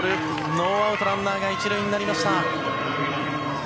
ノーアウト、ランナーが１塁になりました。